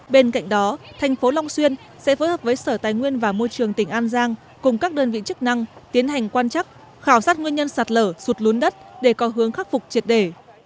bên cạnh đó thành phố long xuyên sẽ phối hợp với sở tài nguyên và môi trường tỉnh an giang cùng các đơn vị chức năng tiến hành quan chắc khảo sát nguyên nhân sạt lở sụt lún đất để có hướng khắc phục triệt đề